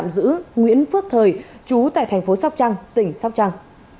giữ nguyễn phước thời trú tại thành phố sóc trăng tỉnh sóc trăng